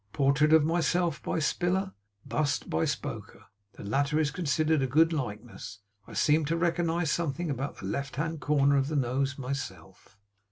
Portrait of myself by Spiller. Bust by Spoker. The latter is considered a good likeness. I seem to recognize something about the left hand corner of the nose, myself.